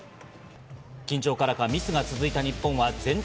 緊張からかミスが続いた日本。